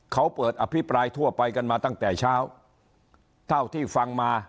เขาเปิดอภิปรายทั่วไปกันมาตั้งแต่เช้าเท่าที่ฟังมา